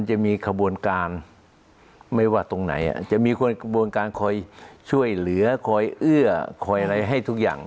จะมีกระบวนการคอยช่วยเหลือคอยเอื้อคอยอะไรให้ทุกอย่าง